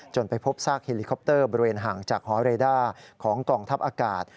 ไปพบซากเฮลิคอปเตอร์บริเวณห่างจากหอเรด้าของกองทัพอากาศ